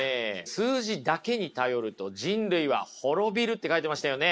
数字だけに頼ると人類は滅びるって書いてましたよね。